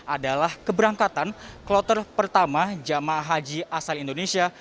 adalah keberangkatan kloter pertama jamaah haji asal indonesia